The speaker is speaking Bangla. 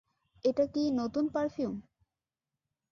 এটা কি নতুন পারফিউম?